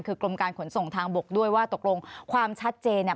คือกรมการขนส่งทางบกด้วยว่าตกลงความชัดเจนเนี่ย